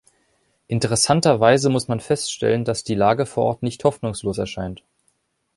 Interessanterweise muss man feststellen, dass die Lage vor Ort nicht hoffnungslos erscheint.